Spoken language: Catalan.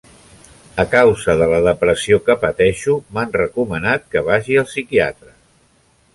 A causa de la depressió que pateixo, m'han recomanat que vagi al psiquiatra.